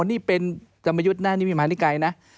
นี่เป็นกรรมยุทธ์นะนี่มีมหานิกายนะ